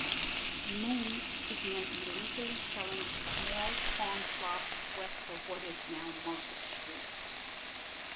Moon, began illegally selling small farm plots west of what is now Market Street.